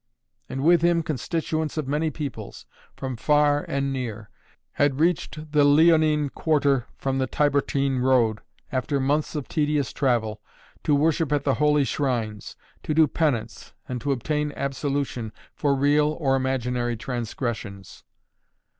And with him constituents of many peoples, from far and near, had reached the Leonine quarter from the Tiburtine road, after months of tedious travel, to worship at the holy shrines, to do penance and to obtain absolution for real or imaginary transgressions.